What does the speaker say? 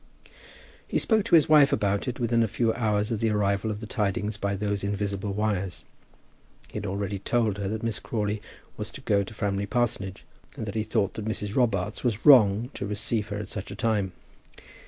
He spoke to his wife about it within a very few hours of the arrival of the tidings by those invisible wires. He had already told her that Miss Crawley was to go to Framley parsonage, and that he thought that Mrs. Robarts was wrong to receive her at such a time.